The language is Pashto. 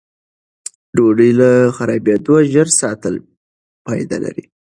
ډوډۍ له خرابېدو ژر ساتل فایده لري.